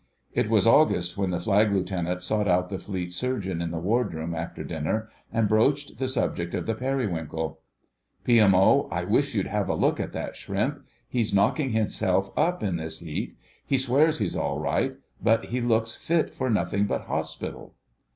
It was August when the Flag Lieutenant sought out the Fleet Surgeon in the Wardroom after dinner, and broached the subject of the Periwinkle. "P.M.O., I wish you'd have a look at that shrimp; he's knocking himself up in this heat. He swears he's all right, but he looks fit for nothing but hospital."